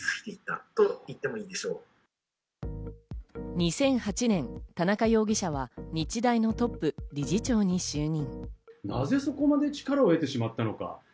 ２００８年、田中容疑者は日大のトップ、理事長に就任。